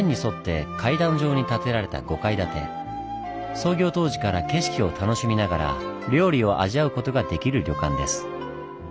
創業当時から景色を楽しみながら料理を味わうことができる旅館です。